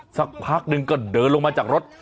สักพักหนึ่งก็เดินลงมาจากรถ